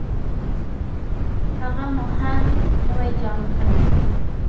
هغه مو هم نوي جان کړې.